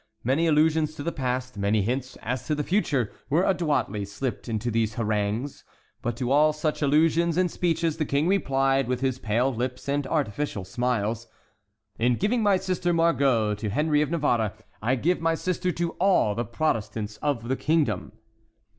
Many allusions to the past, many hints as to the future, were adroitly slipped into these harangues; but to all such allusions and speeches the King replied, with his pale lips and artificial smiles: "In giving my sister Margot to Henry of Navarre, I give my sister to all the Protestants of the kingdom."